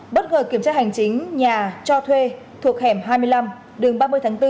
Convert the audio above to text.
bất ngờ kiểm tra hành chính nhà cho thuê thuộc hẻm hai mươi năm đường ba mươi tháng bốn